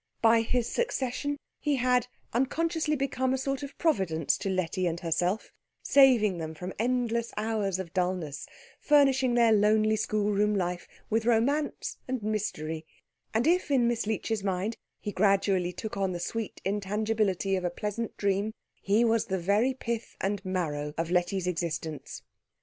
By his secession he had unconsciously become a sort of providence to Letty and herself, saving them from endless hours of dulness, furnishing their lonely schoolroom life with romance and mystery; and if in Miss Leech's mind he gradually took on the sweet intangibility of a pleasant dream, he was the very pith and marrow of Letty's existence.